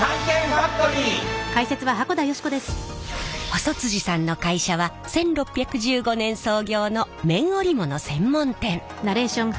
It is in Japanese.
細さんの会社は１６１５年創業の綿織物専門店。